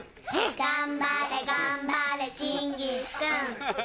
頑張れ頑張れチンギスくん。